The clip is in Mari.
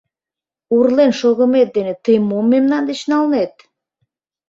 Урлен шогымет дене тый мом мемнан деч налнет!